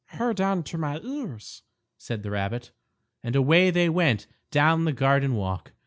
"Hold on to my ears!" said the rabbit, and away they went down the garden walk.